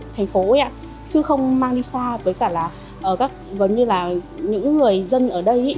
thành phố ấy ạ chứ không mang đi xa với cả là ở các vấn như là những người dân ở đây ý